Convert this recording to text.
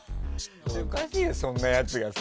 おかしいよ、そんなやつがさ